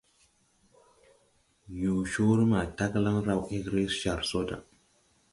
Yõõ coore ma taglaŋ raw egre jar so da.